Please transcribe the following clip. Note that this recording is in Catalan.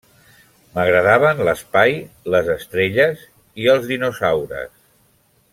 M'agradaven l'espai, les estrelles i els dinosaures.